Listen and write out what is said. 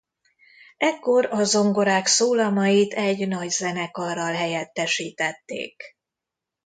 Ekkor a zongorák szólamait egy nagyzenekarral helyettesítették.